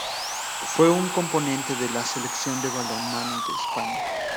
Fue un componente de la Selección de balonmano de España.